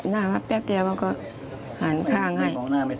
มันดูโหดร้ายอันตราย